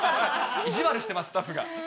意地悪してます、スタッフが。